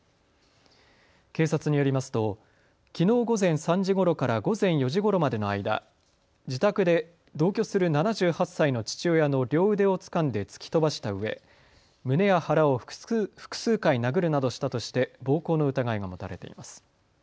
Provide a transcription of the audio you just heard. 警察によりますときのう午前３時ごろから午前４時ごろまでの間、自宅で同居する７８歳の父親の両腕をつかんで突き飛ばしたうえ胸や腹を複数回殴るなどしたとして暴行の疑いが持たれています。